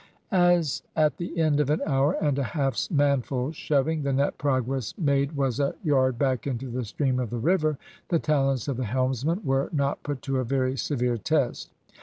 As at the end of an hour and a half's manful shoving the net progress made was a yard back into the stream of the river, the talents of the helmsman were not put to a very severe test.